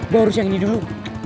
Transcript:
baru yang ini dulu